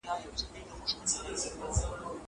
ايا ته انځور ګورې؟